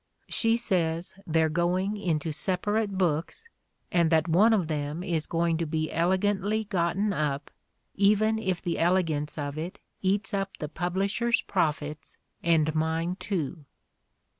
She says they're going into separate books, and that one of them is going to be elegantly gotten up, even if the elegance of it eats up the pub lisher's profits and mine, too."